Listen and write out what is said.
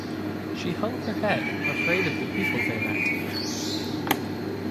She hung her head, afraid of the people they met.